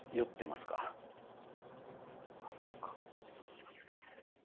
まさかそんな。